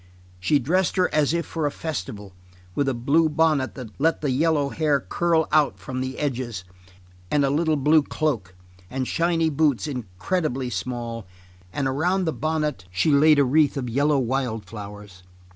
She dressed her as if for a festival, with a blue bonnet that let the yellow hair curl out from the edges, and a little blue cloak, and shiny boots incredibly small, and around the bonnet she laid a wreath of yellow wild flowers.